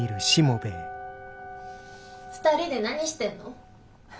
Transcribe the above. ２人で何してんの？